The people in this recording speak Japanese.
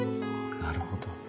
なるほど。